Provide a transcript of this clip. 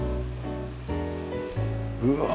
うわ。